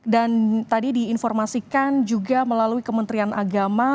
dan tadi diinformasikan juga melalui kementerian agama